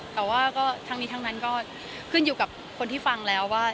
แต่ว่าก็ทั้งนี้ทั้งนั้นก็ขึ้นอยู่กับคนที่ฟังแล้วว่า